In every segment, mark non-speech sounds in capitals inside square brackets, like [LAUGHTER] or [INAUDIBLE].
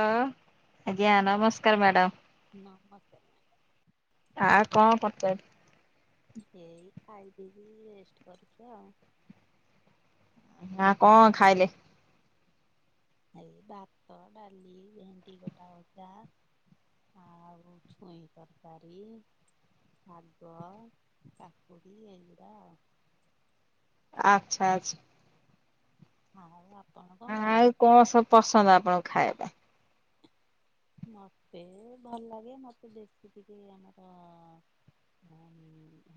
ହଁ ଆଜ୍ଞା ନମସ୍କାରେ ମ୍ୟାଡ଼ାମ। ନମସ୍କାରେ। ଆ କଣ କରୁଚ କି? ଏଇ ଖାଇଦେଇକି ରେଷ୍ଟ କରୁଚୁ ଆଉ। ନା କଣ ଖାଇଲେ? ଏଇ ଭାତ ଡ଼ାଲି ଭେଣ୍ଡି ଗୋଟା ଭଜା। ଆଉ ଛୁଇଁ ତରକାରୀ। ଶାଗ କାକୁଡ଼ି ଏଇ ଗୁଡ଼ା ଆଉ। ଆଚ୍ଛା ଆଚ୍ଛା। ଆଉ ଆପଣ କଣ ଆଉ ଖାଇଲେ? କଣ ସବୁ ପସନ୍ଦ ଆପଣଙ୍କ ଖାଇବା। ମତେ ଭଲ ଲାଗେ ମତେ ବେଶୀ ଟିକେ ଆମର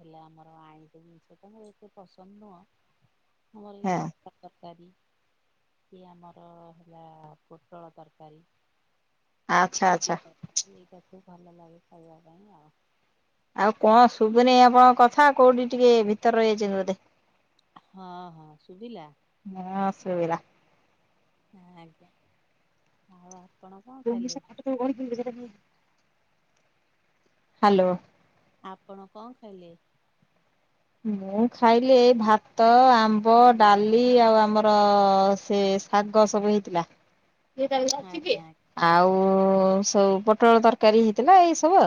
ହେଲେ ଆମର ଆଇଁଷ ଜିନିଷ ଟା ଏତେ ପସନ୍ଦ ନୁହଁ। ମୋରବି ହଁ ଦରକାରେ। ତରକାରୀ କି ଆମର ହେଲା ପୋଟଳ ତରକାରୀ। ଆଚ୍ଛା ଆଚ୍ଛା। ପକେଇତା ଇଏ ତାକୁ ଭଲ ଲାଗେ ଖାଇବା ପାଇଁ ଆଉ। ଆଉ କଁ ଶୁବୁନେଇ ଆପଣଙ୍କ କଥା କୋଉଠି ଟିକେ ଭିତରେ ରହିଯାଇଚନ୍ତି ବୋଧେ। ହଁ ହଁ ଶୁଭିଲା? ହଁ ଶୁବିଲା। ଆଜ୍ଞା ଆଉ। ଆପଣ କଣ ଯୋଉଠି ଖାଇଲେ? ସେ ଖଟତଳୁ ଗଡିଥିଲୁ ସେଟାକିଏ? ହାଲୋ। ଆପଣ କଣ ଖାଇଲେ? ମୁଁ ଖାଇଲି ଏଇ ଭାତ ଆମ୍ବ ଡ଼ାଲି ଆଉ ଆମର ସେସେ୍ ଶାଗ ସବୁ ହେଇଥିଲା। ଆଜ୍ଞା ଆଜ୍ଞା। ଆଉ ସବୁ ପୋଟଳ ତରକାରୀ ହେଇଥିଲା ଏଇ ସବୁ।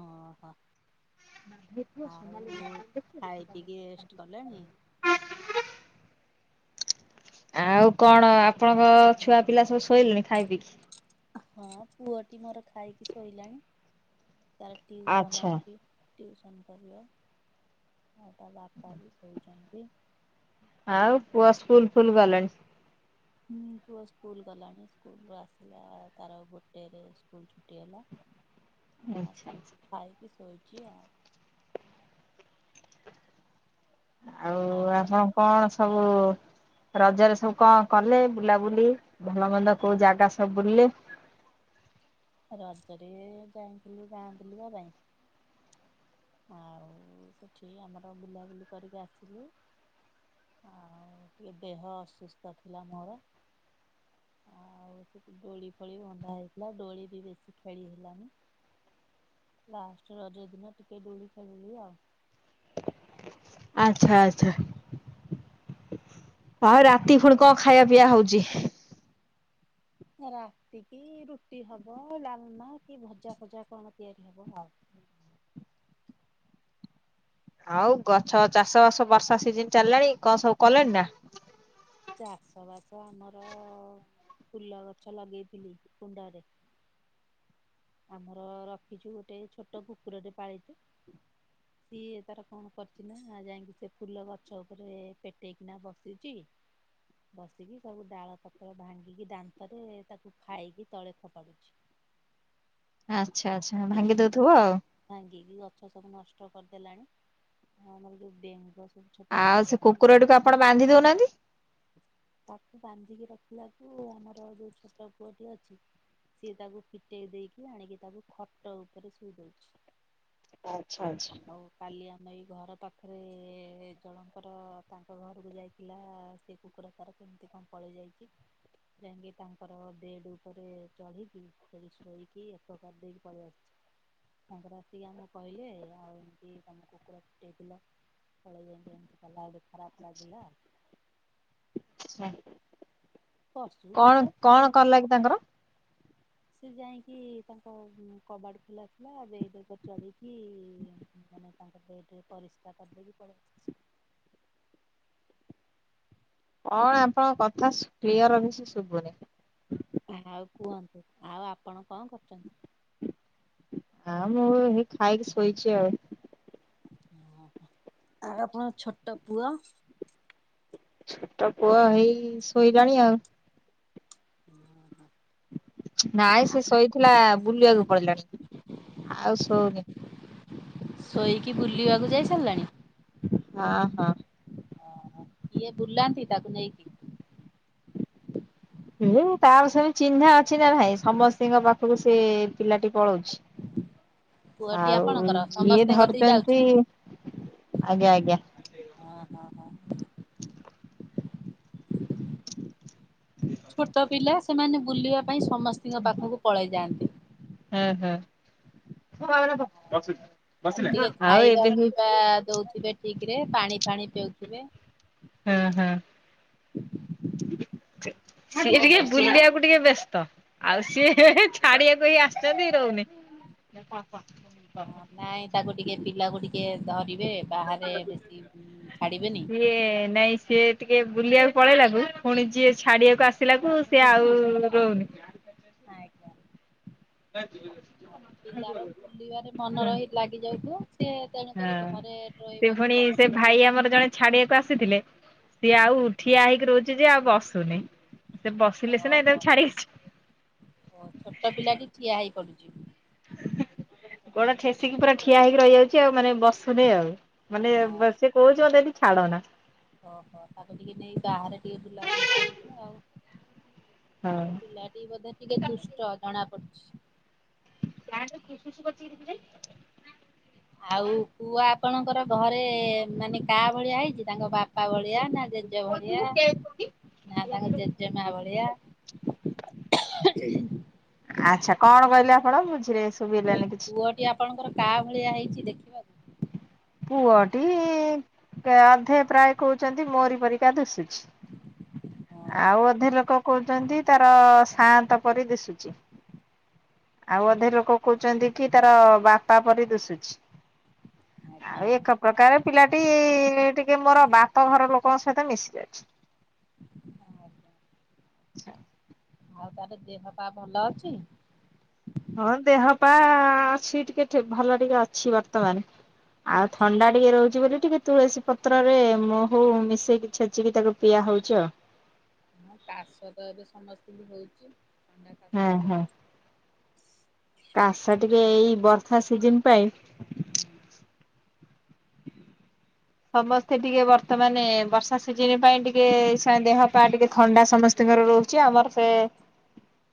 ହଁ ହୋ ଆଉ ଖାଇ ପିଇକି ରେଷ୍ଟେ କଲେଣି? ଆଉ କଣ ଆପଣଙ୍କ ଛୁଆ ପିଲା ସବୁ ଶୋଇଲେଣି ଖାଇ ପିଇକି? ହଁ ପୁଅଟି ମୋର ଖାଇକି ଶୋଇଲାଣି ତାର ଟିଉସନ୍ ଆଚ୍ଛା ଅଛି। ଟିଉସନ୍ କରିବ ଆଉ ତା ବାପା ବି କହୁଚନ୍ତି। ଆଉ ପୁଅ ସ୍କୁଲ୍ ଫୁଲ୍ ଗଲାଣି? ହୁଁ ପୁଅ ସ୍କୁଲ ଗଲାଣି ସ୍କୁଲୁ ଆସିଲା ତାର ଗୋଟେରେ ସ୍କୁଲୁ ଛୁଟି ହେଲା। ଆଚ୍ଛା ଆଛା। ଖାଇକି ଶୋଇଚି ଆଉ। ଆଉ ଆପଣ କଣ ସବୁ ରଜରେ ସବୁ କଣ କଲେ ବୁଲାବୁଲି ଭଲ ମନ୍ଦ କୋଉ ଜାଗା ସବୁ ବୁଲିଲେ? ରଜରେ ଯାଇଥିଲୁ ଗାଁବୁଲି ବା ପାଇଁ। ଆଉ ସେଠି ଆମର ବୁଲାବୁଲି କରିକି ଆସିଲୁ। ଆଉ ଟିକେ ଦେହ ଅସୁସ୍ଥ ଥିଲା ମୋର। ଆଉ ସେଠି ଦୋଳି ଫୋଳି ବନ୍ଧା ହେଇଥିଲା ଦୋଳି ବି ବେଶି ଖେଳି ହେଲାନେହିଁ। [INAUDIBLE] ଲାଷ୍ଟେ ରଜ ଦିନ ଟିକେ ଦୋଳି ଖେଳଳି ଆଉ। ଆଚ୍ଛା ଆଚ୍ଛା। ହଁ ରାତି ଫୁଣି କଣ ଖାଇବା ପିଇଆ ହୋଉଚି? ରାତି କିି ରୁଟି ହବ ଡାଲମା କି ଭଜା ଫଜା କଣ ତିଆରି ହବ ଆଉ। ଆଉ ଗଛ ଚାଷ ବାସ ବର୍ଷା ସିଜନ ଚାଲିଲାଣି କଣ ସବୁ କଲେଣି ନା? ଚାଷ ବାସ ଆମର ଫୁଲ ଗଛ ଲଗେଇଥିଲି କୁଣ୍ଡରେ। ଆମର ରଖିଛୁ ଗୋଟେ ଛୋଟ କୁକୁରଟେ ପାଳିିଛୁ। ହ ସିଏ ତାର କଣ କରିୁଛି ନା ଯାଇକି ସେ ଫୁଲ ଗଛ ଉପରେ ପେଟେଇକିନା ବସିଛି। ବସିକି ସବୁ ଡାଳ ପତ୍ର ଭାଙ୍ଗିକି ଦାନ୍ତରେ ତାକୁ ଖାଇକି ତଳେଖପଡୁଛି। ଆଚ୍ଛା ଆଚ୍ଛା ଭାଙ୍ଗିଦଉଥିବ ଆଉ। ଭାଙ୍ଗି ଗଛ ସବୁ ନଷ୍ଟ କରିଦେଲାଣି ଆ ଆମର ଯୋଉ ବେଙ୍ଗ ଛୋଟ ଆଉ ସେ ଛୋଟ କୁକୁରଟିକୁ ଆପଣ ବାନ୍ଧି ଦଉନାହାନ୍ତି। ତାକୁ ବାନ୍ଧିକି ରଖିଲାକୁୁ ଆମର ଯୋଉ ପୁଅଟି ଅଛି। ସିଏ ତାକୁ ଫିଟେଇ ଦେଇକି ଆଣିକି ତାକୁ ଖଟ ଉପରେ ଶୋଇ ଦଉଛି। ଆଚ୍ଛା ଆଚ୍ଛା। ହଉ କାଲି ଆମେ ଏଇ ଘର ପାଖରେ ଜଳଙ୍କର ତାଙ୍କ ଘରକୁ ଯାଇଥିଲା ସେ କୁକୁରା କ କେମିତି କଣ ପଳେଇ ଯାଇଛି। ଯାଇକି ତାଙ୍କର ବେଡ ଉପରେ ଚଢିକି ସେଠି ଶୋଇକି ଏକକାର ଦେଇକି ପଳେଇ ଆସିଛି। ସାଙ୍କର ଆସିକି ଆମ କହିଲେ ଆଉ ଏମତି ତମ କୁକୁର ଫିଟେଇଥିଲ। ପଳ ତା ଲ ହଲେ ଖରାପ ଲାଗିଲା। ପଶୁ କଣ ଜୀବ ସେ କଣ କଲେ କି ତାଙ୍କର? ସେ ଯାଇକି ତାଙ୍କ କବାଡ଼ି ଖେଲା ଥିଲା ଦେଇ ଦେକ ଚଢ଼ିକି ମାନେ ତାଙ୍କ ବେଡ ରେ ପରିସ୍ରା କରିଦକ ବି ପଡ କଣ ଆପଣଙ୍କ କଥା କ୍ଲିୟର ରହିଛି ଶୁଭୁନି। ଆଉ କୁହନ୍ତୁ ଆଉ ଆପଣ କଣ କରୁଛନ୍ତି? ହଁ ମୁଁ ହେଇ ଖାଇକି ଶୋଇଛି ଆଉ। ଆଉ ଆପଣଙ୍କ ଛୋଟ ପୁଅ। ଛୋଟ ପୁଅ ହେଇ ଶୋଇଲାଣି ଆଉ। ହୁଁ ହଁ ନାଇଁ ସେ ଶୋଇଥିଲା ବୁଲିବାକୁ ପଡିଲାଣି ଆଉ ଶଉନି ଶୋଇକି ବୁଲିବାକୁ ଯାଇସାରିଲାଣି ହଁ ହଁ ଇଏ ବୁଲାନ୍ତି ତାକୁ ନେଇକି ହୁଁ ତାର ସେବି ଚିହ୍ନା ଅଛି ନା ଭାଇ ସମସ୍ତଙ୍କ ପାଖକୁ ସେ ପିଲାଟି ପଳଉଛି। ପୁଅଟି ଆଉ ଆପଣଙ୍କର ଯିଏ ସମସ୍ତଙ୍କ କତିକି ଯାଉଛି? ଧରୁଛନ୍ତି ଆଜ୍ଞା ଆଜ୍ଞା। ହଁ ହଁ ହଁ। ଛୋଟ ପିଲା ସେମାନେ ବୁଲିବା ପାଇଁ ସମସ୍ତଙ୍କ ପାଖକୁ ପଳେଇ ଯାଆନ୍ତି। ହୁଁ ହୁଁ ତାକୁ ଟିକେ ଆଉ ଖାଇବା ଏବେ ହେଇ ପିଇବା ଦଉଥିବେ ଠିକ ରେ ପାଣି ଫାଣି ପିଉଥିବେ। ହୁଁ ହୁଁ ସିଏ ଟିକେ ବୁଲିବାକୁ ଟିକେ ବ୍ୟସ୍ତ ଆଉ ସିଏ ଛାଡିିବାକୁ ହ ଆସିଛନ୍ତି ରହୁନି ନାଇଁ ତାକୁ ଟିକେ ପିଲାକୁ ଟିକେ ଧରିବେ ବାହାରେ ବେଶୀ ଛାଡ଼ିବେନି। ଏ ନାଇଁ ସେ ଟିକେ ବୁଲିବାକୁ ପଳେଇଲାଗକୁ ପୁଣି ଯିଏ ଛାଡିବାକୁ ଆସିଲା କ ସିଏ ଆଉ ରହୁନି। ଆଜ୍ଞା। [UNINTELLIGIBLE] ଆଉ ପିଲାର ବୁଲିବାରେ ମନ ରହି ଲାଗିଯାଉଥ ସେ ତେଣୁକ ହଁ ଘରେ ସେ ରହିବାକୁ ପୁଣି ପସନ୍ଦ ସେ ଭାଇ ଆମର ଜଣେ ଛାଡିବାକୁ ଆସିଥିଲେ ସିଏ ନାହିଁ। ଆଉ ଠିଆ ହେଇକି ରହୁଛି ଯେ ଆଉ ବସୁନି। ସେ ବସିଲେ ସିନା ଏଟା କୁ ଛଡି ଆସି ଓ ଛୋଟ ପିଲାଟି ଠିଆ ହେଇ ପଡୁଛି। କଣ ଠେସିକି ପୁରା ଠିଆ ହେଇକି ରହିଯାଉଛି ଆଉ ମାନେ ବସୁନି ଆଉ ମାନେ ଆଉ ବସେ କହୁଛି ମୋତେଦି ଛଡ଼ନା ଓହୋ ତାକୁ ଟିକେ ନେଇ ବାହାରେ ଟିକେ ବୁଲା ବୁଲି କରୁଛ ଆଉ ହଁ। ପିଲାଟି ବୋଧେ ଟିକେ ଦୁଷ୍ଟ ଜଣା ପଡୁଛି। ଯାରୁ [INAUDIBLE] ଆଉ ପୁଅ ଆପଣଙ୍କର ଘରେ ମାନେ କା ଭଳିଆ ହେଇଛି ତାଙ୍କ ବାପା ଭଳିଆ ନା ଜେଜେ ଭଳିଆ। [INAUDIBLE] ନା ତାଙ୍କ ଜେଜେମା ଭଳିଆ ଆଚ୍ଛା କଣ କହିଲେ ଆପଣ ବୁଝିରେ ଶୁଭିଲାନି କୋଇହ କିଛି? ପୁଅଟି ଆପଣଙ୍କର କାହା ଭଳିଆ ହେଇଛି ଦେଖିବାକୁ? ପୁଅଟି ଅଧେ ପ୍ରାୟ କହୁଛନ୍ତି ମୋରି ପରିକା ଦିଶୁଛି। ହଁ ଆଉ ଅଧେ ଲୋକ କହୁଛନ୍ତି ତାର ସାନ୍ତ ପରି ଦିଶୁଛି। [INAUDIBLE] ଆଉ ଅଧେ ଲୋକ କହୁଛନ୍ତି କି ତାର ବାପା ପରି ଦୁଶୁଛି। ଆଜ୍ଞା ଆଉ ଏକ ପ୍ରକାର ପିଲାଟି ଟିକେ ମୋର ବାପଘର ଲୋକଙ୍କ ସହିତ ମିଶି ଯାଇଛି। ଆଜ୍ଞା ଆଉ ତାର ଦେହ ପା ଭଲ ଅଛି? ହଁ ଦେହ ପା ଅଛି ଟିକେ ଭଲ ଟିକେ ଅଛି ବର୍ତ୍ତମାନ। ଆଉ ଥଣ୍ଡା ଟିକେ ରହୁଛି ବୋଲି ଟିକେ ତୁଳସୀ ପ ପତ୍ରରେ ମହୁ ମିଶେଇକି ଛେଚିକି ତାକୁ ପିଆ ହଉଛି ଆଉ। ହଁ କାଶ ତ ଏବେ ସମସ୍ତିଙ୍କି ହଉଛି। ଥଣ୍ଡା କାଶ। ହଁ-ହଁ। କାଶ ଟିକେ ଏଇ ବର୍ଷା ସିଜନ ପାଇଁ ସମସ୍ତେ ଟିକେ ବର୍ତ୍ତମାନ ବର୍ଷା ସିଜନ ପାଇଁ ଟିକେ ସଂଗ ଦେହ ପା କାଶ ଟିକେ ଏମିତି ଥଣ୍ଡା ଲାଗି ସମସ୍ତଙ୍କର ରହୁଛି ଆମର ସେ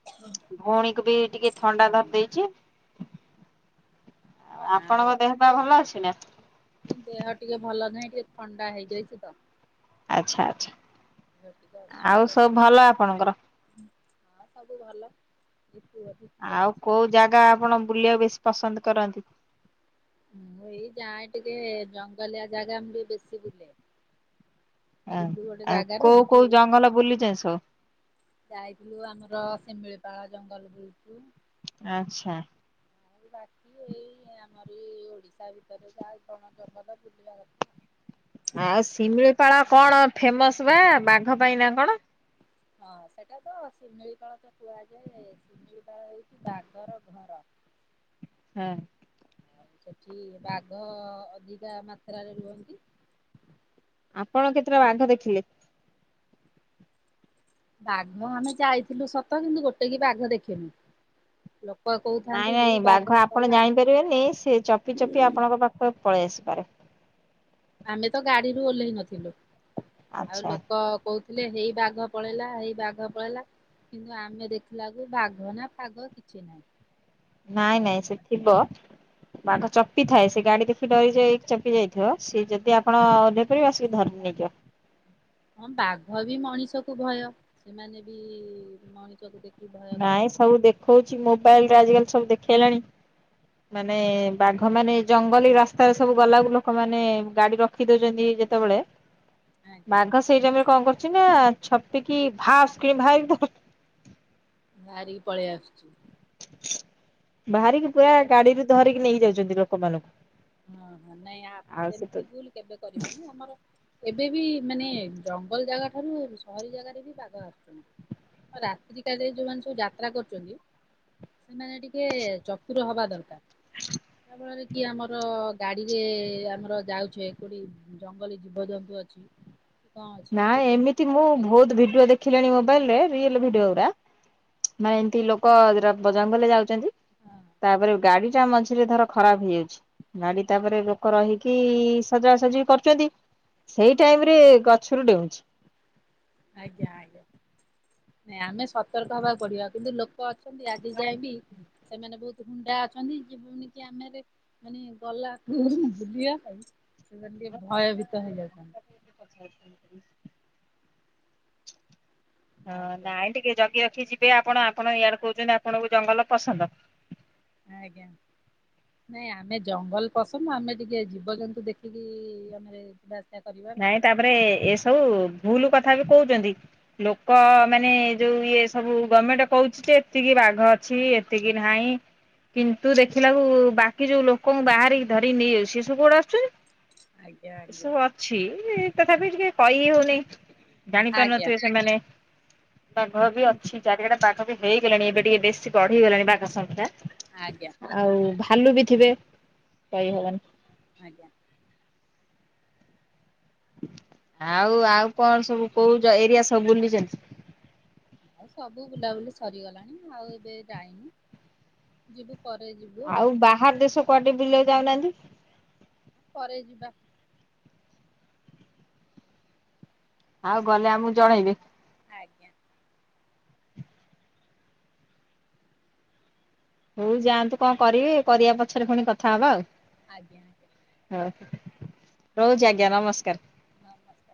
ଆଉ ଭଉଣୀକୁ ବି ଟିକେ ଥଣ୍ଡା ହୁଁ ଧରି ଦେଇଛି। ଆଉ ଆପଣଙ୍କ ଦେହ ପା ଭଲ ଅଛି ନା? ନାଇ ଦେହ ଟିକେ ଭଲ ନାହିଁ ଟିକେ ଥଣ୍ଡା ହେଇଯାଇଛି ତ। ଆଚ୍ଛା ଆଚ୍ଛା ଦେହ ଟିକେ ଅସୁସ୍ଥ ଆଉ ସବୁ ଭଲ ଆପଣଙ୍କର? ହଁ ସବୁ ଭଲ। [INAUDIBLE] ଆଉ କୋଉ ଶୋଇଛି। ଜାଗା ଆପଣ ବୁଲିବାକୁ ବେଶୀ ପସନ୍ଦ କରନ୍ତି? ମୁଁ ଏଇ ଯାଏ ଟିକେ ଜଙ୍ଗଲିଆ ଜାଗା ମୁଁ ବି ବେଶୀ ବୁଲେ। ଆ ଥିଲୁ ଗୋଟେ ଆଉ ଜାଗାରେ କୋଉ କୋଉ ସେଠି ଜଙ୍ଗଲ ବୁଲିଛନ୍ତି ସବୁ ଯାଇଥିଲୁ ଆମର ଶିମିଳିପାଳ ଜଙ୍ଗଲ ବୁଲିଚୁ। ଆଚ୍ଛା। ଆଉ ବାକି ଏଇ ଆମର ଏଇ ଓଡ଼ିଶା ଭିତରେ ଯାହା ଜଣ ଜମତ ବୁଲିବା କଥା। ଆଉ ଶିମିଳିପାଳ କଣ ଫେମସ ବା ବାଘ ପାଇଁ ନା କଣ? ହଁ ସେଟା ତ ଶିମିଳିପାଳ ତ କୁହାଯାଏ। ଶିମିଳିପାଳ ହେଉଛି ବାଘର ଘର। ହଁ। ଆଉ ସେଠି ବାଘ ଅଧିକା ମାତ୍ରାରେ ରୁହନ୍ତି। ଆପଣ କେତେଟା ବାଘ ଦେଖିଲେ? ବାଘ ଆମେ ଯାଇଥିଲୁ ସତ କିନ୍ତୁ ଗୋଟେ କି ବାଘ ଦେଖିନୁ। ଲୋକ କହୁଥାନ୍ତି ହେଇ ବାହାଘର ଗଲା। ନେଇ ସେ ଚପି ଚପି ଆପଣଙ୍କ ପାଖକୁ ପଳେଇ ଆସିପାରେ। ଆମେ ତ ଗାଡିରୁୁ ଓହ୍ଲେଇ ନଥିଲୁ ଆଉ ଆଚ୍ଛା। ଲୋକ କହୁଥିଲେ ହେଇ ବାଘ ପଳେଇଲା ହେଇ ବାଘ ପଳେଇଲା। କିନ୍ତୁ ଆମେ ଦେଖିଲାକୁୁ ବାଘ ନା ଫାଗ କିଛି ନାହିଁ। ନାଇଁ ଆଉ ନାଇଁ ସେ ଥିବ ବାଘ ଚପିଥାଏ ସେ ଗାଡି ଦେଖି ଡରି ଯାଇ ଚପି ଯାଇଥିବ। ସିଏ ଯଦି ଆପଣ ଓହ୍ଲେଇ ପଡ଼ିବେ ସ ଓହୋ। [INAUDIBLE] ହଁ ବାଘ ବି ମଣିଷକୁ ଭୟ ସେମାନେ ବି ଇ ଇ ମଣିଷକୁ ଦେଖି ଭୟ ନାଇଁ କରନ୍ତି। ସବୁ ଦେଖଉଛି ମୋବାଇଲ ରେ ଆଜିକାଲି ସବୁ ଦେଖେଇଲାଣି ମାନେ ବାଘ ମାନେ ଜଙ୍ଗଲି ରାସ୍ତାରେ ସବୁ ଗଲାକୁ ଲୋକମାନେ ଗାଡି ରଖି ରଖି ଦଉଛନ୍ତି ଯେତେବେଳେ। ଆଜ୍ଞା ବାଘ ସେଇଟାଇମରେ କଣ କରୁଛି ନା ଛପିକି ଭାସ କିଣି ଭାରି ପ ବାହାରିକି ପଳେଇ ଆସୁଛି। ବାହାରିକି ପୁରା ଏଇଟା ଗାଡିରୁ ଧରିକି ନେଇ ଯାଉଛନ୍ତି ଲୋକମାନଙ୍କୁ। ହଁ ହଁ ନାଇଁ ଆଉ ସେ ତ ସେମିତି ଭୁଲ କେବେ କରିବେନି ଆମର ଏବେ ବି ମାନେ ଜଙ୍ଗଲ ଜାଗା ଠାରୁ ସହରୀ ଜାଗାରେ ବି ବାଘ ଆସୁଛନ୍ତି। ରାତ୍ରି କାଳରେ ଯୋଉମାନେ ସବୁ ଯାତ୍ରା କରୁଛନ୍ତି। ସେମାନେ ଟିକେ ଚତୁର ହବା ଦରକାର। [UNINTELLIGIBLE] ଆମ ଆମର ଗାଡିରେ ଆମର ଯାଉଛେ କୋଉଠି ଜଙ୍ଗଲୀ ଜୀବଜନ୍ତୁ ଅଛି। କଣ ଅଛି ନାଇଁ ଲୋକ ସବୁ ଏମିତି ମୁଁ ଆଜିକାଲି ବହୁତ ଭିଡିଓ ଦେଖିଲିଣି ମୋବାଇଲରେ ରିଲ ଭିଡିଓ ଗୁରା। ମାନେ ଏମତି ଲୋକ ଜଙ୍ଗଲରେ ଯାଉଛନ୍ତି। ହଁ ତାପରେ ଗାଡି ଟା ମଝିରେ ଧର ଖରାପ ହେଇଯାଉଛି। ଗାଡି ତାପରେ ଲୋକ ରହିକି ସଜା ସଜି କରୁଛନ୍ତି ସେଇ ଟାଇମ ରେ ଗ ଛୁରୁ ଡେଉଁଛି। ଆଜ୍ଞା ଆଜ୍ଞା ନାଇ ଆମେ ସତର୍କ ହବାକୁ ପଡିବ କିନ୍ତୁ ଲୋକ ଲୋକ ଅଛନ୍ତି ଆଜି ଯାଏଁ ବି ସେମାନେ ବହୁତ ହୁଣ୍ଡା ଅଛନ୍ତି ଯେବୁନି କି ଆମେରେ ମାନେ ଗଲା ବୁଲିବା ପାଇଁ ସେମାନେ ଟିକେ ଭୟଭୀତ ହେଇଯାଉଛନ୍ତି। [INAUDIBLE] [UNINTELLIGIBLE] ହଁ ଆଜ୍ଞା ନାଇଁ ଟିକେ ଜଗି ରଖି ଯିବେ ଆପଣ ଆପଣ ଇଆଡେ କହୁଛନ୍ତି ଆପଣଙ୍କୁ ଜଙ୍ଗଲ ପସନ୍ଦ। ଆଜ୍ଞା। ନାଇଁ ଆମେ ଜଙ୍ଗଲ ପସନ୍ଦ ଆମେ ଟିକେ ଜୀବଜନ୍ତୁ ଦେଖିକି ଆମେ [UNINTELLIGIBLE] ନାଇଁ ତାପରେ ଏସବୁ ଭୁଲୁ କଥା ବି କହୁଛନ୍ତି। ଲୋକ ମାନେ ଯୋଉ ଇଏ ସବୁ ଗମେଣ୍ଟ କହୁଛି ଯେ ଏତିକି ବାଘ ଅଛି ଏ ତି କିି ନାହିଁ। କିନ୍ତୁ ଦେଖିଲାକୁୁ ବାକି ଯୋଉ ଲୋକଙ୍କୁ ବାହାରିକି ଧରିକି ନେଇଯାଉଛି ସେ ସବୁ କୋଠୁ ଆସୁଛନ୍ତି। ଆଜ୍ଞା ଆଜ୍ଞା ଏସବୁ ଅଛି ତଥାପି ଟିକେ କଇ ହଉନି। ଜାଣି ପାରୁ ଆଜ୍ଞା ନଥିବେ ସେମାନେ। ବାଘ ବି ଅଛି ଚାରିଆଡେ ବାଘ ବି ହେଇଗଲାଣି ଏବେ ଟିକେ ବେଶୀ ବଢିଗଲାଣି ବାଘ ସଂଖ୍ୟା। ଆଜ୍ଞା। ଆଉ ଭାଲୁ ବି ଥିବେ, କହି ହବନି। ଆଜ୍ଞା। ଆଉ ଆଉ କଣ ସବୁ କୋଉ ଜ ଏରିଆ ସବୁ ବୁଲିଛନ୍ତି? ଆଉ ସବୁ ବୁଲାବୁଲି ସରିଗଲାଣି ଆଉ ଏବେ ଯାଇନୁ, ଯିବୁ। ପରେ ଯିବୁ। ଆଉ ବାହାର ଦେଶ କୁଆଡେ ଟିକେ ବୁଲିଆକୁ ଯାଉନାନ୍ତି? ପରେ ଯିବା। ଆଉ ଗଲେ ଆମକୁ ଜଣେଇବେ ଆଜ୍ଞା। ହଉ ଯାଆନ୍ତୁ କଣ କରିବେ କରିବା ପଛରେ ପୁଣି କଥା ହବା ଆଉ। ଆଜ୍ଞା-ଆଜ୍ଞା। ହ ରହୁଛି ଆଜ୍ଞା ନମସ୍କାର। ନମସ୍କାର